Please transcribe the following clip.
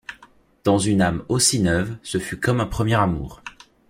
Dans une âme aussi neuve, ce fut comme un premier amour.